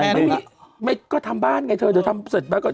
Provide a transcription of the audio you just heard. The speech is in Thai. ไม่มีก็ทำบ้านไงเธอเดี๋ยวทำเสร็จมาก่อน